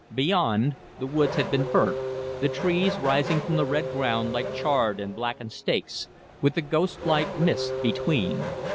Beyond, the woods had been burnt, the trees rising from the red ground like charred and blackened stakes, with the ghostlike mist between.